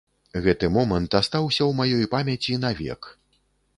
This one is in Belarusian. Гэты момант астаўся ў маёй памяці навек.